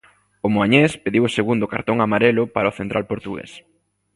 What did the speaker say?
O moañés pediu o segundo cartón amarelo para o central portugués.